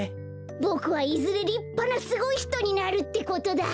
ボクはいずれりっぱなすごいひとになるってことだ！